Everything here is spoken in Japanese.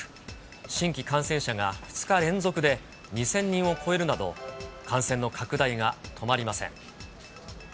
新規感染者が２日連続で２０００人を超えるなど、感染の拡大が止まりません。